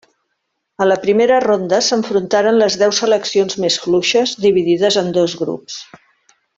A la primera ronda s'enfrontaren les deu seleccions més fluixes dividides en dos grups.